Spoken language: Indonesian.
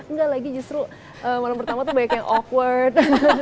enggak lagi justru malam pertama tuh banyak yang outward